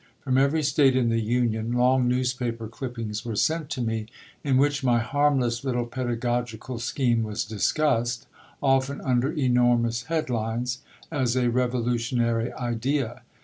From every State in the Union long newspaper clippings were sent to me, in which my harmless little pedagogical scheme was discussed often under enormous headlines as a revolutionary idea.